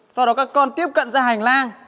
sau đó các con tiếp cận ra hành lang